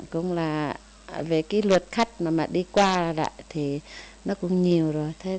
cũng là về cái luật khách mà mà đi qua là lại thì nó cũng nhiều rồi